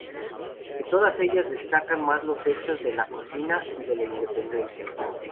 De todas ellas destacan más los hechos de la colonia y de la independencia.